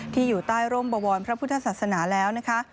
อยู่ใต้ร่มบวรพระพุทธศาสนาแล้วนะคะ